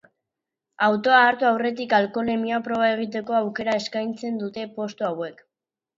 Autoa hartu aurretik alkoholemia proba egiteko aukera eskaintzen dute postu hauek.